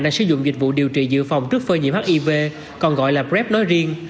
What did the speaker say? đang sử dụng dịch vụ điều trị dự phòng trước phơi nhiễm hiv còn gọi là prep nói riêng